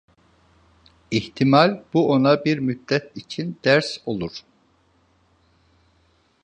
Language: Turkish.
İhtimal bu ona bir müddet için ders olur…